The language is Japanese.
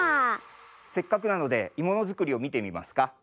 せっかくなのでいものづくりをみてみますか？